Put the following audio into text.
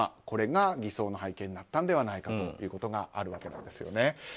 これが偽装の背景にあったのではないかということがあるわけです。